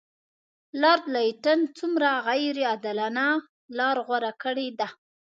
لارډ لیټن څومره غیر عادلانه لار غوره کړې ده.